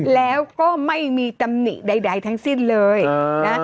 แล้วก็ไม่มีตำหนิใดทั้งสิ้นเลยนะ